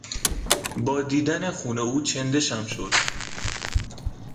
با دیدن خون او چندشم شد.